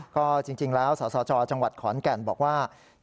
ก็จริงแล้วสสจจังหวัดขอนแก่นบอกว่า